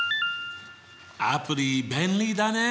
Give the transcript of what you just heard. アプリ便利だね。